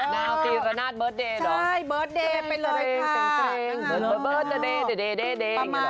น้าวตีรนาธเบิร์ทเดย์หรอ